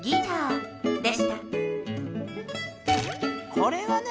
これはね